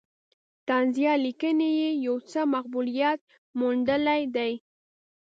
طنزیه لیکنې یې یو څه مقبولیت موندلی دی.